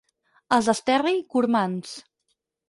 Els d'Esterri, gormands.